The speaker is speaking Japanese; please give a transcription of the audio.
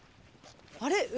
あれ？